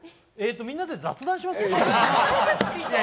みんなで雑談します？